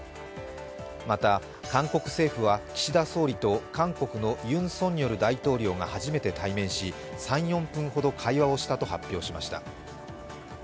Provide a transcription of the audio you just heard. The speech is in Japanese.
また、韓国政府は岸田総理と韓国のユン・ソンニョル大統領が初めて対面し３４分ほど会話をしたと発表しました。